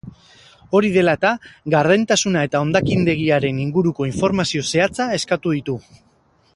Hori dela eta, gardentasuna eta hondakindegiaren inguruko informazio zehatza eskatu ditu.